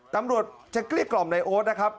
ตำรวจจะเกลี้ยกล่อมในโอ๊ตนะครับ